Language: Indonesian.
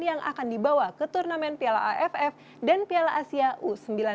yang akan dibawa ke turnamen piala aff dan piala asia u sembilan belas